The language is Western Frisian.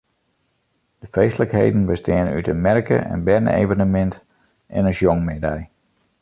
De feestlikheden besteane út in merke, in berne-evenemint en in sjongmiddei.